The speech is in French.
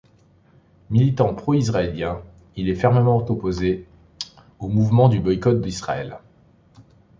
Militant pro-israélien, il est fermement opposé au mouvement de boycott d'Israël.